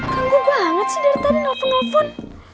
ganggu banget sih dari tadi nelfon nelfon